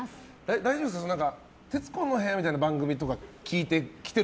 大丈夫ですか？